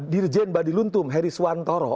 dirjen badiluntum heri suantoro